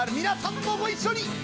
皆さんもご一緒に！